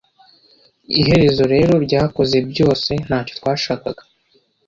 iherezo rero ryakoze byose ntacyo twashakaga